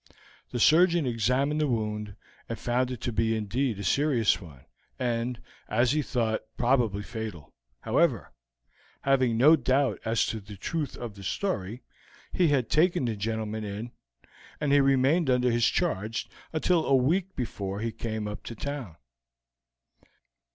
The surgeon examined the wound, and found it to be indeed a serious one, and, as he thought, probably fatal. However, having no doubt as to the truth of the story, he had taken the gentleman in, and he remained under his charge until a week before he came up to town.